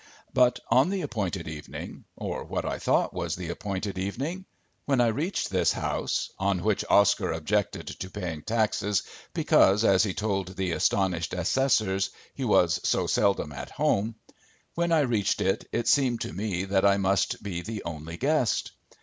But on the appointed evening, or what I thought was the appointed evening, when I reached this house on which Oscar objected to paying taxes because, as he told the astonished assessors, he was so seldom at home when I reached it, it seemed to me that I must be the only guest.